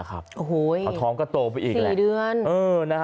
เขาท้องก็โตไปอีกหลายเดือน